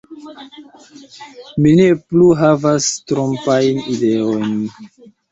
Mi ne plu havas trompajn ideojn.